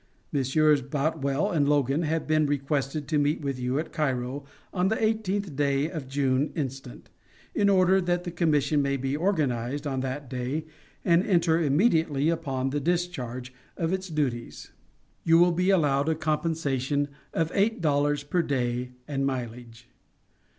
Messrs. Boutwell and Logan have been requested to meet with you at Cairo on the eighteenth day of June instant, in order that the commission may be organized on that day and enter immediately upon the discharge of its duties. You will be allowed a compensation of eight dollars per day and mileage.